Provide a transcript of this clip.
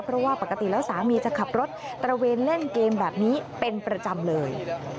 เพราะว่าปกติแล้วสามีจะขับรถตระเวนเล่นเกมแบบนี้เป็นประจำเลย